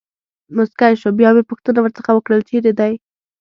مسکی شو، بیا مې پوښتنه ورڅخه وکړل: چېرې دی.